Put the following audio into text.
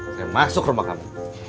saya masuk rumah kamu